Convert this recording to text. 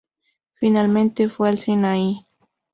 Finalmente fue al Sinaí.